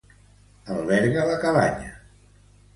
Alberga la cabanya.